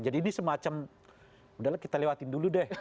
jadi ini semacam mudah lah kita lewatin dulu deh